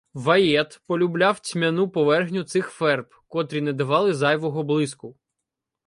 Ваєт полюбляв тьмяну поверхню цих ферб, котрі не давали зайвого блиску.